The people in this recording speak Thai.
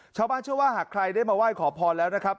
เชื่อว่าหากใครได้มาไหว้ขอพรแล้วนะครับ